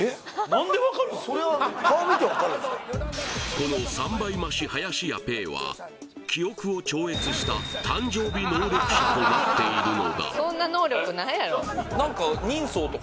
この３倍増し林家ペーは記憶を超越した誕生日能力者となっているのだハハーッ！